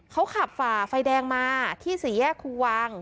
เขาขับฝ่าไฟแดงมาที่สี่แยกครูวาง